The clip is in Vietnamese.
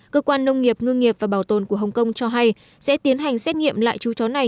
cơ quan nông nghiệp ngư nghiệp và bảo tồn của hồng kông cho hay sẽ tiến hành xét nghiệm lại chú chó này